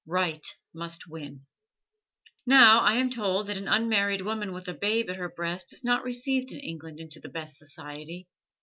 Right must win. Now, I am told that an unmarried woman with a babe at her breast is not received in England into the best society.